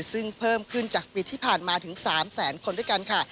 ซึ่งเพิ่มขึ้นจากปีที่ผ่านมาถึง๓แสนคนด้วยกันค่ะ